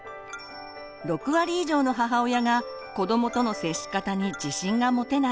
６割以上の母親が子どもとの接し方に自信が持てない。